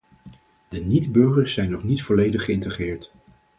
De niet-burgers zijn nog niet volledig geïntegreerd.